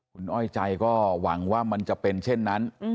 คุณอ้อยใจก็หวังว่ามันจะเป็นเช่นนั้น